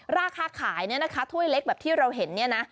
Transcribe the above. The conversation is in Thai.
ราคาขายเนี่ยนะคะถ้วยเล็กแบบที่เราเห็นเนี่ยนะ